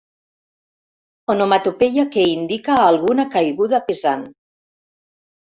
Onomatopeia que indica alguna caiguda pesant.